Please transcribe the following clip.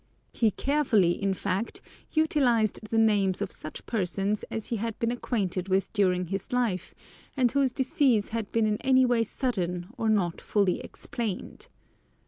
He carefully, in fact, utilized the names of such persons as he had been acquainted with during his life, and whose decease had been in any way sudden, or not fully explained.